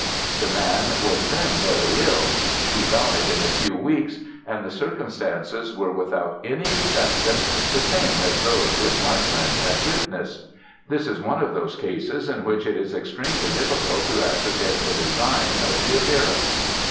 The man was then very ill: he died in a few weeks, and the circumstances were without any exception the same as those which my friend had witnessed. This is one of those cases in which it is extremely difficult to ascertain the design of the appearance.